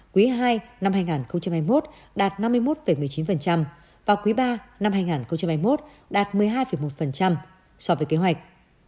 quý ii năm hai nghìn hai mươi một đạt năm mươi một một mươi chín và quý ba năm hai nghìn hai mươi một đạt một mươi hai một so với kế hoạch